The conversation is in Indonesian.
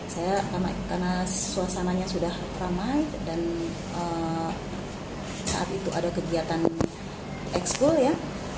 saya karena suasananya sudah ramai dan saat itu ada kegiatan ekskul ya